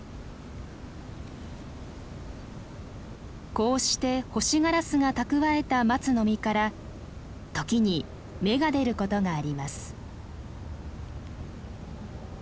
こうしてホシガラスが蓄えたマツの実から時に芽が出ることがあります。